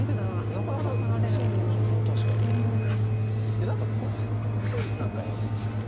でこっち何かやるっていう。